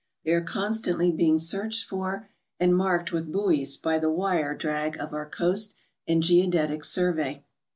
They are constantly being searched for and marked with buoys by the wire drag of our Coast and Geodetic Survey.